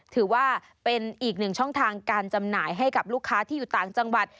ถือว่าเป็นอีกหนึ่งช่องทางการจำหน่ายให้กับลูกค้าที่อยู่ต่างจังหวัด